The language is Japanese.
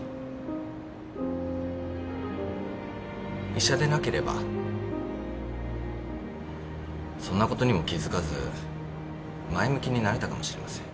医者でなければそんなことにも気付かず前向きになれたかもしれません。